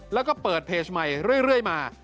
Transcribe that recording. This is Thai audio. แล้วก็เปิดเพจใหม่เรื่อยมา